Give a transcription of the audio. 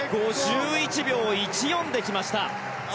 ５１秒１４できました。